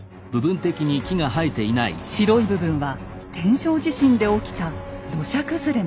白い部分は天正地震で起きた土砂崩れの跡です。